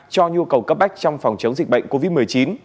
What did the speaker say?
cho nhu cầu cấp bách trong phòng chống dịch bệnh covid một mươi chín